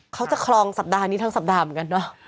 เขาจะคลองสัปดาห์นี้ทั้งสัปดาห์เหมือนกันเนอะ